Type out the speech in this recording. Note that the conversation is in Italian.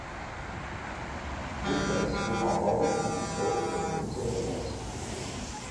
Booker schienò poi Big Show per vincere il match.